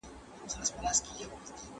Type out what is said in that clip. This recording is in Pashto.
شمال وچ بوټي په زور سره خوځول.